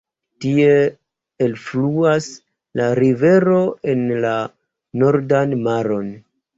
Tie elfluas la rivero en la Nordan Maron.